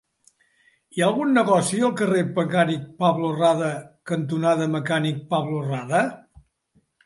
Hi ha algun negoci al carrer Mecànic Pablo Rada cantonada Mecànic Pablo Rada?